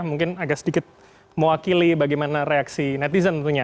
mungkin agak sedikit mewakili bagaimana reaksi netizen tentunya